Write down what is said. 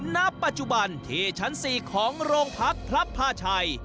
ณปัจจุบันที่ชั้น๔ของโรงพักพระพาชัย